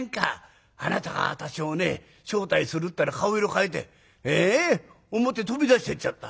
あなたが私をね招待するったら顔色変えて表飛び出していっちゃった。